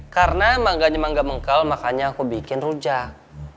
karena mangga nya mangga mengkal makanya aku bikin rujak